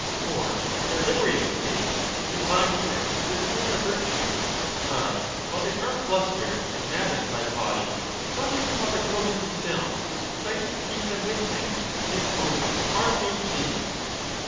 for in their liberated state he can bind them with the desire of virtue, but while they are flustered and mad dened by the body, not even father Cronos himself would suffice to keep them with him in his own far famed chains.